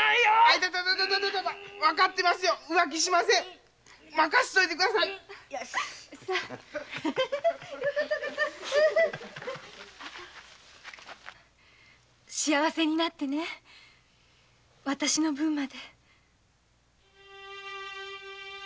痛い幸せになってねわたしの分まで。